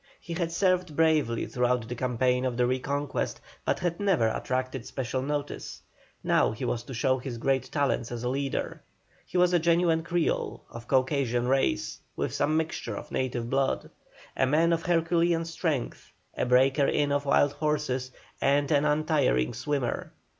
He had served bravely throughout the campaign of the reconquest, but had never attracted special notice; now he was to show his great talents as a leader. He was a genuine Creole, of Caucasian race, with some mixture of native blood; a man of herculean strength, a breaker in of wild horses, and an untiring swimmer.